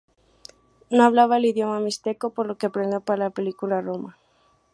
No hablaba el idioma mixteco, pero lo aprendió para la película "Roma".